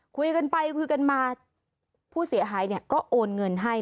คุยกันไปคุยกันมาผู้เสียหายเนี่ยก็โอนเงินให้